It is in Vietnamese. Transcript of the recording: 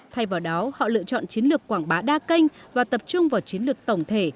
thay vào đó họ lựa chọn chiến lược quảng bá đa kênh và tập trung vào chiến lược tổng thể